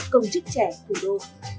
công chức trẻ thủ đô